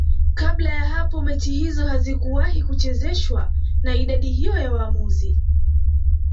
kabla ya hapo mechi hizo hazikuwahi kuchezeshwa na idadi hiyo ya waamuzi